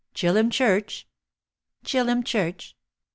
Chillum Church?" "Chillum Church."